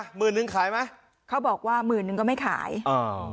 หมื่นนึงขายไหมเขาบอกว่าหมื่นนึงก็ไม่ขายอ่า